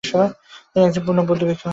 তিনি একজন পূর্ণ বৌদ্ধ ভিক্ষু হয়ে ওঠেন।